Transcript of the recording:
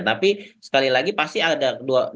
tapi sekali lagi pasti ada dua belah pihak